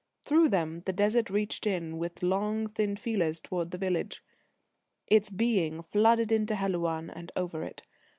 Through them the Desert reached in with long, thin feelers towards the village. Its Being flooded into Helouan, and over it.